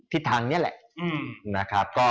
ที่ทางนี้แหละ